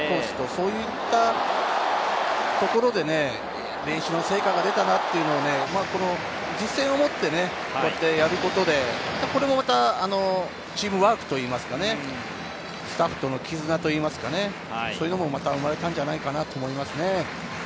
そういったところで練習の成果が出てたなというのを実戦を持ってやることで、チームワークといいますか、スタッフとの絆といいますか、そういうのも生まれたんじゃないかなと思います。